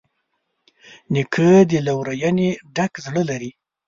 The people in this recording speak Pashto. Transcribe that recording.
نیکه د لورینې ډک زړه لري.